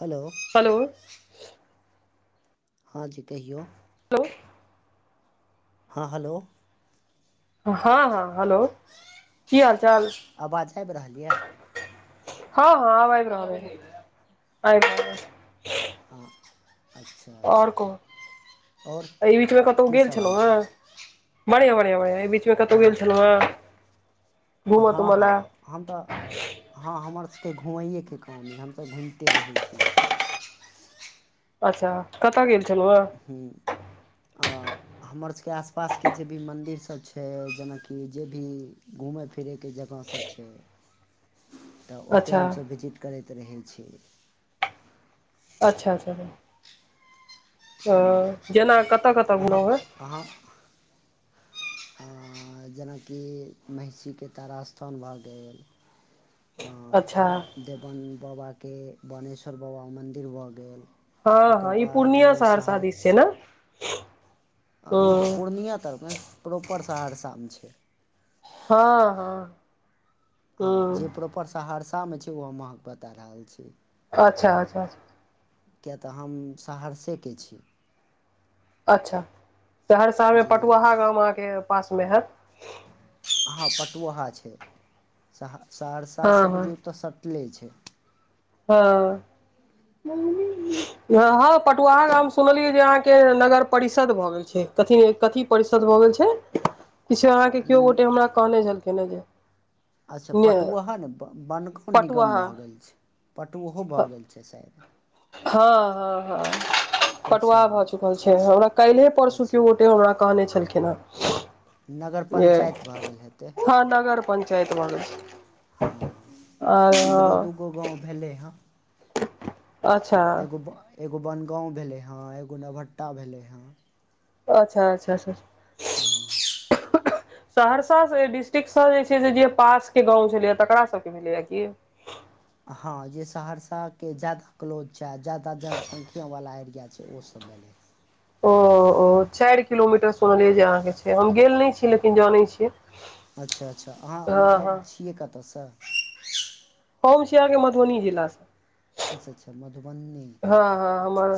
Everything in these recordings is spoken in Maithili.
हलो हलो हाँ जी कहियौ। मम्मी हँ हलो हँ हँ हेलो की हाल चाल। आवाज आबि रहल यए हँ हँ अब आबइ रहल आइब रहल अइ। हँ अच्छा और अच्छा कहु आओर एहि बीचमे कतौ गेल कीसभ छेलौ हालचाल हेँ। बढ़िआं, बढ़िआं, बढ़िआं एहि बीच मे कतौ गेल छेलौ हँ हेँ। हँ घूमऽ तूमऽ लए हँ हम तऽ। हँ हमर सबके घुमैएके काम अइ हमसब घुइमते रहै छी। अच्छा कतऽ गेल छेलौ हेँ। हूँ हँ। हमरा सबके आस -पास के जे भी मन्दिर सब छै जेनाकि जे भी घूमैय फिरैय के जगहसब। छैय। ह तऽ ओते हमसब विजिट करैत रहै छी। अच्छा -अच्छा-अच्छा अ जेना कतऽ कतऽ घुमलौ हेँ। आहाँ आ जेनाकि महिषीके तारा स्थान भऽ गेल। अच्छा देवन बाबाके बोनेश्वर बाबा मन्दिर भऽ गेल। हँ ओकर हँ ई बाद पूर्णिया शहरसा दिश छै न। अ नै पूर्णिया तरफ नै प्रॉपर सहरसामे छै। हँ हँ हँ जे प्रॉपर सहरसामे छै ओ हम अहाँ केँ बता रहल छी। अच्छा -अच्छा किए तऽ हम सहरसे के छी। अच्छा सहरसामे जी पटुआहा गाम अहाँके पासमे हेएत। हँ पटुआहा छै सहा -सहरसा हँ सँ हँ बुझियौ तऽ सट ले छै। हँ। म्ममी हँ हँ पटुआहा गाम सुनलियै जे अहाँके नगर परिषद भऽ गेल छै कथी- कथी परिषद भऽ गेल छै। किछ अहाँके केओ गोटे हमरा कहने छेलखिन हेँ जे अच्छा ने पटुआह ने ब -बनखन निगम पटुआहा भऽ गेल छै पटुवोहो भऽ गेल छै सैयद। हँ हँ हँ अच्छा पटुआहा भऽ चुकल छै हमरा कैल्हे परसु अच्छा कियो केओ हमरा कहने छेलखिन हेँ। नगर जे पंचाइत भऽ गेल हेतै। हँ नगर पंचायत भऽ गेल छै हँ आर इधरो हँ दूगो गाँव भेलै हँ। [inaudible] एगो ब एगो बनगाँव भेलै हँ, एगो नवहट्टा भेलै हेँ। अच्छा अच्छाच सहरसा से डिस्ट्रिक्टसँ जे छै से, जे पास के गाँव छलैए तकरा सबके भेलैए की? हँ जे सहरसाके ज्यादा क्लोज छै, आ ज्यादा जनसंख्या वला एरिया छै, ओसभ भेलै। ओ ओ चारि किलोमीटर सुन लेज अहाँके से हम गेल नहि छी लेकिन जनइ छियै। अच्छा अच्छा अहाँ हँ हँ मतलब छियै कतऽसँ? हम छीहाँके मधुबनी जिला से। अच्छा अच्छा मधुबनी हँ हँ हमर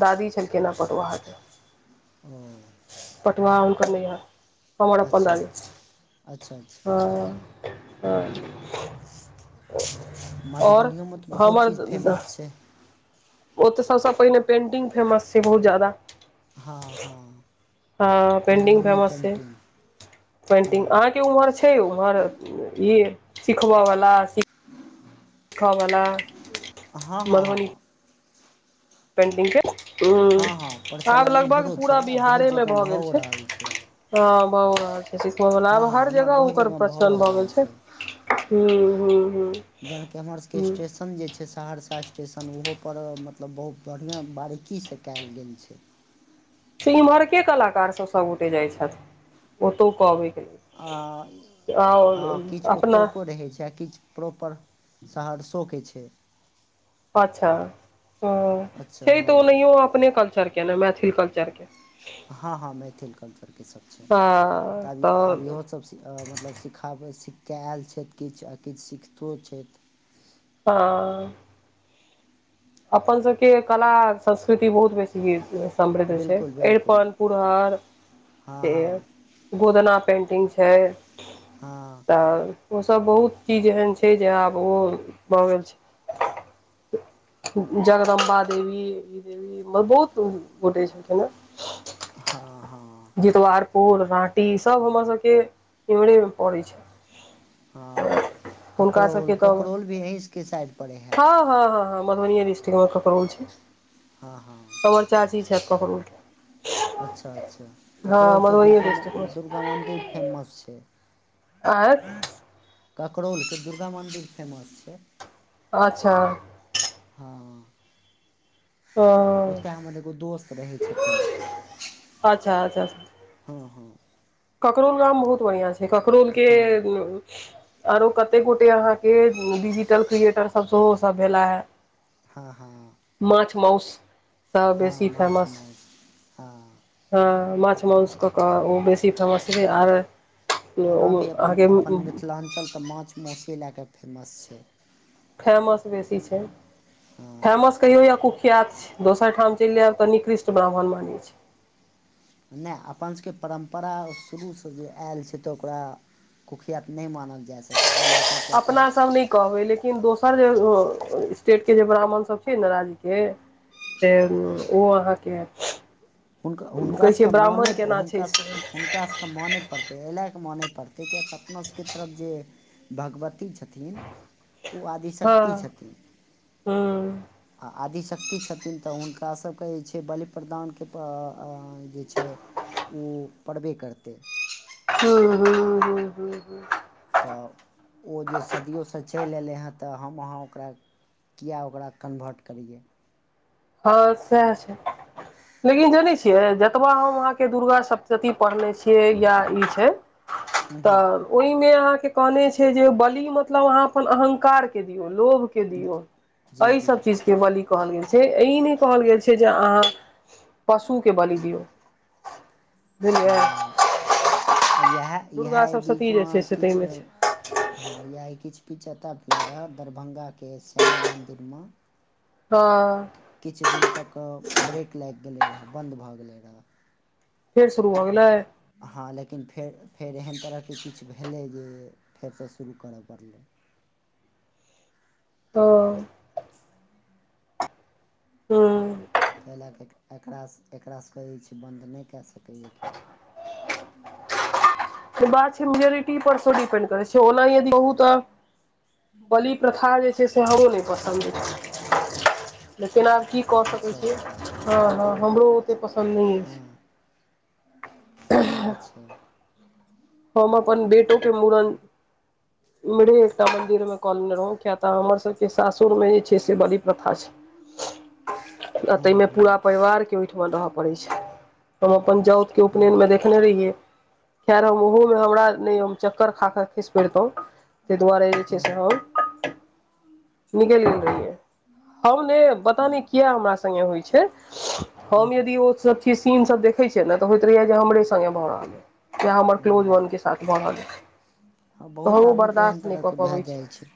दादी छलखिन हँ पटुआहके। ओ पटुहा हुनकर नैहिइयर, हमर अपन अच्छा दादी अच्छा अच्छा अच्छा के। हां हँ और मधुबनियोमे तऽ बहुत हमर चीज फेमस छै ओ तऽ सभसँ पहिने पेन्टिंग फेमस छै बहुत ज्यादा। हँ हँ हँ पेन्टिंग मधुबनी फेमस छै। पेन्टिंग पेंटिग हँ अहाँ के उम्हर छै? छै ओम्हर ई सिखबयवला सीखऽवला? हँ- हँ- हँ- हँ। पेन्टिंगके हूँ, हँ हँ आब प्रचलन लगभग इम्हरो पूरा छै आ बहुत बिहारेमे जगह भऽ गेल भओ छै। रहल हँ भऽ रहल छै, सिखबयवला हँ आब हँ हर एम्हर जगह बहुत ओकर भओ प्रचलन भऽ रहल गेल छै। हूँ-हूँ-हूँ। जेनाकि हमर सबके स्टेश स्टेशन जे छै, सहरसा स्टेशन ओहोपर मतलब बहुत बढ़िआँ बारीकीसँ कयल गेल छै। से इम्हर के कलाकार सब सबगोटे जाइ छथि ओतौ क अबै के लेल। आ हँ आओर किछु अपना ओतुको रहै छै आ किछु प्रॉपर सहरसोके छै। अच्छा हूँ अच्छा छै हँ तऽ ओनहियो अपने कल्चरके ने मैथिल कल्चरके। हँ-हँ मैथिल कल्चरके सब छै हँ तऽ आब इहो सब अ मतलब सिखाबै सीख कऽ आयल छथि किछु आ किछु सिखितो छै। हँ अपन सबके कला, संस्कृति बहुत बेस समृद्ध अछि बिलकुल बिलकुल अरिपन पुरहर हँ से हँ गोदना पेन्टिंग छै। हँ। तऽ ओसब बहुत चीज एहन छै, जे आब ओ भऽ गेल छै। जगदम्बा देवी ई देवी ब बहुत गोटे छलखिन हे। हँ हँ। जितवारपुर राँटी सब हमर घर के इमहरे मे पड़े छै। हँ हुनका ककरोल सभके ककरोल भी अहिसबके साइड पड़ै हैत? हँ-हँ-हँ मधुबनीये डस्टिक्ट मे ककरोल छै। हँ -हँ हमर चाची छथि ककरोलके अच्छा- अच्छा। हँ ककरोल के मधुबनिए दुर्गा म डिस्ट्रिक्टमे छै दुर्गा मन्दिर फेमस छै। आँ। करकरोलके दुर्गा मन्दिर फेमस छै। अच्छा। हँ हँ ओतय हमर एगो दोस्त रहै छथिन। अच्छा अच्छा। हँ हँ। ककरोल गाम बहुत बढ़िआँ छैयककरोलके हँ [unintelligible] आरो कते गोटे अहाँके डिजिटल क्रिएटरसभ सेहो सभ भेला हे। हँ हँ। माछ माउस सँ हँ बेसी माछ फेमस। माउस हँ हँ माछ माउस कऽ कऽ ओ बेसी फमसै छथि आर। ओना भी अपन अहाँके अपन मिथिलाञ्चलके माछ मउसे लए कऽ फेमस छैय। फेमस बेसी छैय। हँ फेमस कहियो या कुख्यात छैय दोसर ठाम चइल जायब तऽ निकृष्ट ब्राह्मण मानै छैय। नै अपन सभके परम्परा शुरूसँ जे आयल छैय तऽ ओकरा कुख्यात नै मानल जा सकै एहि लए कऽ किए तऽ हम नै कहबै लेकिन लेकिन दोसर जे स्टेटके जे ब्राह्मण सब छैयने राज्यके से ओ अहाँके हुनका कहै छियै हुनकासभके मानै ब्राह्मण प केना छै हुनकास से हुनकास मने पड़तै एहि लए कऽ माने पड़तै कि अपनो सबके तरफ जे भगवती छथिन ओ हँ आदिशक्ति छथिन। हूँ आ आदिशक्ति छथिन तऽ हुनकासभके जे छैय बलि प्रदानके प अ जे छैय उ पड़बे करतै। हूँ हूँ हूँहूँ हूँ हूँ। तऽ ओ जे सदियओसँ चलि अयलै हे तऽ हम अहाँ ओकरा किए ओकरा कन्वर्ट करियए। हँ सएह छैय। लेकिन जानै छियै जतबा हम अहाँके दुर्गा सप्तशती पढ़ने छियै या ई छैय। हूँ हूँ। तऽ ओहिमे अहाँके कहने छैय जे बलि मतलब अहाँ अपन अहंकार के दियौ लोभ के दियौ जी एहि जी सब चीज के बलि कहल गेल छैय। फेर ई नहि कहल गेल छैय जे अहाँ पशुके बलि दियौ। बुझलियै हँ इएह इएह दुर्गा एहि सप्तशती जे बीचमे छै से ताहिमे किछो छै हँ या ई किछु पिछता भेले रहय दरभंगा के श्यामा मंदिर मे तऽ किछ दिन तक ब्रेक लागि गेलै रहै बन्द भऽ गेलै रहै। फेर शुरू भऽ गेलै। हँ लेकिन फेर फेर एहन तरहके किछु भेलै जे फेरसँ शुरू करय पड़लै। ओ हूँ ताहि लए कऽ एकरासँ एकरासँ कऽ बन्द नहि कए सकैए केओ। तऽ बात छैय मेजोरिटी पर स डिपेन्ड करै छैय ओना अ यदि कहु तऽ बलि प्रथा जे छैय से हमरो नहि पसन्द छैय लेकिन आब की कऽ सकैत अच्छा छियै, अच्छा हँ हँ हमरो ओतेक पसन्द नहि अछि। हँ अच्छा। हम अपन बेटो के मूड़न एमरे एकटा मंदिर में कॉ लेने रहौ किया तऽ हमर स के सासुर मे जे छै से बलि प्रथा छै आ हँ ताहिमे हँ पूरा परिवार के ओहिठ रह परै छै हम अपन जाउत के उपनयन हँ मे देखने रहियै कय ओहो में हमरा ने चक्कर खाक खसि पड़ितो ताहि दुआरे जे छै से हम निकलि गेल रहियै हम ने पता ने किया हमरा संगे होइ छै हँ हम यदि ओ सब सीन सब देखै छियै ने तऽ होइत रहैया जे हमरे संगे भऽ रहल अय या हमर क्लोज वॉन हँ के साथ बनल हँ तऽ बहुत ओ आदमीके एहन बर्दाश्त नहि कऽ तरहके पबै भए छी जाइ छै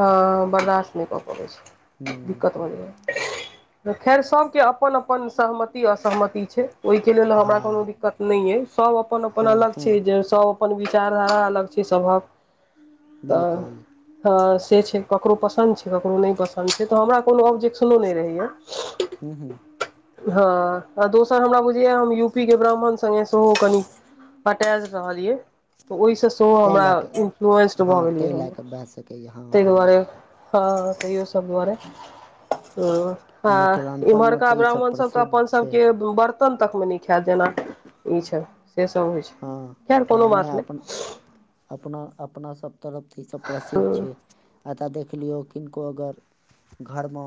हँ बर्दाश्त नहि क पबै छै हूँ दिक्कत भऽ गेलै खैर सभके अपन अपन सहमति असहमति छै ओहि के लेल हमरा कोनो हँ दिक्कत नहि ने यै सब अपन अपन हँ हँ जहनि सभ अपन विचारधारा अलग छै सभक तऽ बिलकुल हँ से छै ककरो पसन्द छै ककरो नहि पसन्द छै तऽ हमरा कोनो ऑब्जेक्शनो नहि रहैए हू हू हँ आ दोसर हमरा बुझैया हम यूपी के ब्राह्मण संगे सेहो कनि अटाच रहल यए तऽ ओहिसँ सेहो ताहि हमरा लए कऽ इन्फ्लुएंस भऽ हँ गेलियै ताहि हम लए कऽ भए सकैए हँ ताहि हँ दुआरे हँ तैयो सब दुआरे हू [unintelligible] आ मिथिलाञ्चलमे इम्हरका तऽ ईसभ ब्राह्मण सब तऽ प्रसिद्ध अपन छै सबके बर्त न तकमे न खायत जेना ई छै से सब होइ छै हँ खैर कोनो हँ बात अपन नहि अपना अपना सब तरफ ई सब प्रसिद्ध छै एत देख लियौ किनको अगर घरमे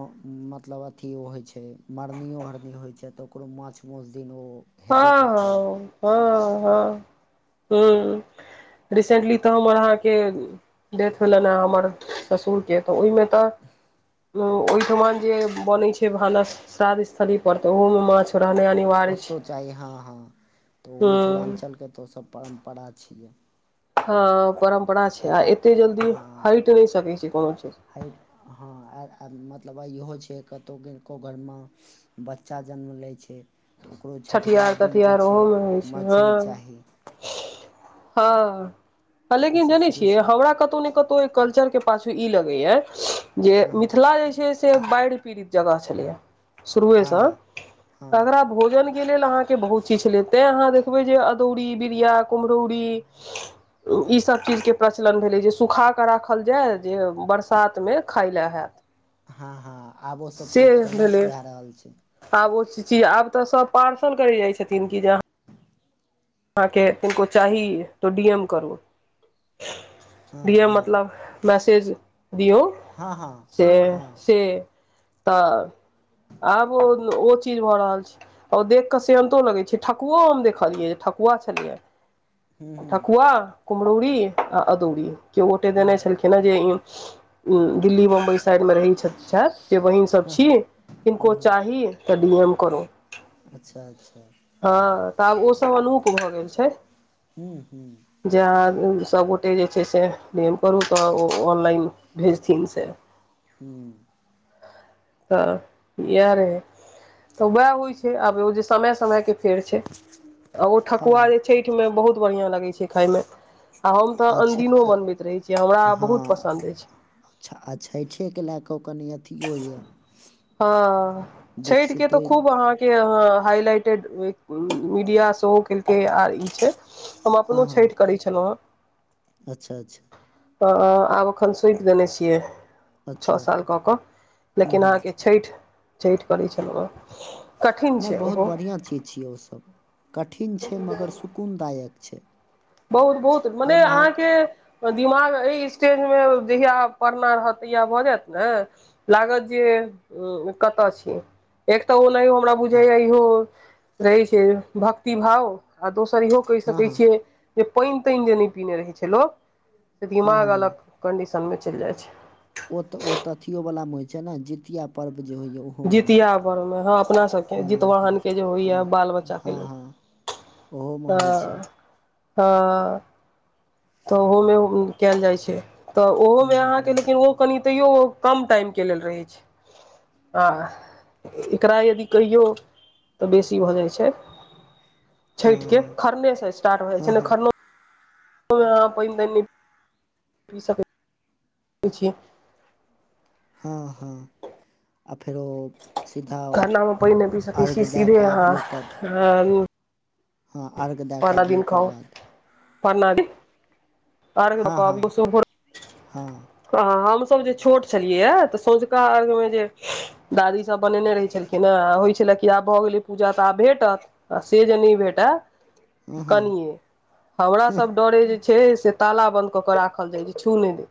मतलब अथी होइ छै मरनियो हरनी होइ छै तऽ कोनो माछ मौस दिन ओ हेबे हँ करतै हँ हँ हँ हू रिसेंटली तऽ हमर अहाँके डेथ भेलनि हे हमर ससुर के तऽ ओहिमे तऽ उ ओहिठमान जे बन छै भानस श्राद्ध स्थली पर तऽ ओहो में माछ रहनाइ अनिवार्य छै ओतौ चाही हँ हँ तऽ ओ हूँ मिथिलांचल के तऽ ओ सब परम्परा छियै ह परम्परा छै आ एतय एते जल्दी हँ हट नहि सकै छै कोनो चीज हटि हँ मतलब आ इहो छै कतहु किनको घरमे बच्चा जन्म लै छै तऽ ओकरो छठिहार दिन जे तठिहार छै ओहोमे होइ छै मछरी चाही हँ हँ तऽ लेकिन ईसभ जानै छियै शुरूसँ हमरा कतहु ने कतहु कल्चरके पाछु ई लगइहे जे हँ हँ मिथिला जे छै से बाढ़ि पीड़ित जगह छलै शुरूवे हँ सँ हँ तगरा भोजन अहाँके बहुत चीज छलै तैँ अहाँ देखबै जे अदौरी बिरिया कुम्हरौरी [unintelligible] ईसभ चीजके प्रचलन भेलै जे सुखा कऽ राखल जाय जे बरसातमे खाय ले हैत हँ हँ आब ओसभ से चीज फेमस भेलै भए रहल छै आब ओ चीज आब तऽ सब पार्सल करै जाइ छथिन कि जाँ अहाँके किनको चाही तो डी एम करू हँ डी एम हँ मतलब मैसेज दियऔ हँ हँ से हँ से तऽ आब ओ ओ चीज भऽ रहल छै ओऔर देख केऽ सेहंतो लगै छै ठकुओ हम देखलियै ठकु पुआ छलियै ह्म्म ह्म्म ठकुआ, कुमरौरी आ अदौरी। क्यो गोटे देने हँ छलखिन हे जे ई दिल्ली बम्बइ साइडमे रहै छथि जे बहिनसभ छी किनको चाही तऽ डी एम करो अच्छा अच्छा हँ तऽ ओ सब अनु प भऽ गेल छैय। ह्म्म ह्म्म जे अहाँ सबगोटे जे छैय से डी- एम करू त ऑनलाइन भेजथिन से। हूँ। त यएह रहय। तऽ वएह होइ छैय आब ओ जे समय- समय के फेडर छैय ठकुआ हँ जे छठिमे बहुत बढ़िआँ लगै छैय खायमे आ हम त अच्छा अनदिनो अ, बनबैत रहैय छी हमरा बहुत हँ पसन्द अछि। अच्छा आ छठेकेँ लए कऽ ओ कनिये अथिओ यए। हँ छठि के तो विकसितो खूब अहाँके के हाइलाइटेड मीडिया सेहो केलकै आर छैय हम अपनो हँ हँ छठि करै छलहुँ हँ। अच्छा -अच्छा। आब अखन सोंइप देने छियै। छ अच्छा साल कऽ क हँ लेकिन हँ अहाँके छठि, छठि करैय छलहुँ हेँ। कठिन नहय छै बहुत ओहो बढ़िआँ चीज छियै ओसभ कठिन छैय मगर सुकूनदायक छैय। बहुत -बहुत मने अहाँके दिमाग एहि स्टेजमे जहिया परना रहत तहिया भ जायत ने लागत जे कतऽ छी एक तऽ ओनाहि ओ हमरा बुझैए इहो रहै छैय भक्ति भाव आ दोसर इहो कहि हँ हँ सकैय हँ छियै जे पानि तानि जे नहि पीने रहैय छैय लोक से हँ दिमाग हँ अलग कन्डिशनमे चलि जाइ छैय। ओ तऽ ओ तऽ अथियोवलामे होइ छैय ने जितिया पर्व जे होइए ओ ओमे, जितिया परमे हँ अपना सबके हँ- ह- जितवाहन के जे होइया हँ- बाल बच्चा के हँ- लेल हँ। ओहोमे होइ छै हँ- हँ। तऽ ओहोमे उ कायल जाइ छैय त ओहोमे हूँ हूँ अहाँके लेकिन ओ कनि तैयो ओ कम टाइम के लेल रहै छैय आ एकरा यदि कहियौ त बेसी भ जाइ छैय। हँ छैठिके खरने से स्टार्ट भ जाय हँ छैय ने हँ खरनो मे अहाँ पानि-तानि नय पी सकैय छी। हँ -हँ आ फेरो सीधा खरनामे पइन नहि पी सकैय अर्घ छी दए सीधे कऽ आबियौ तब अहाँ हँ अर्ग परना दिन खाउ, परना दिन अर्घ हँ -हँ- हँ। ह हमसब जे छोट छलियै है त सोंझका अर्घ्यमे जे दादीसब बनेने रहै छलखिन हेँ आ होइ छलै कि आब भऽ गेलै पूजा तऽ आब भेटत आ से जे नहि भेटै हँ हँ कनियै। हमरा सब डरे जे छैय से ताला बंद कऽ के राखल जाय जे छू नहि दैय।